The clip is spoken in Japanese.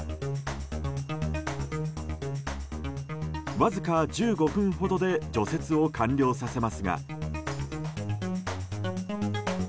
わずか１５分ほどで除雪を完了させますが。